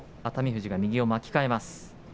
富士が右を巻き替えます。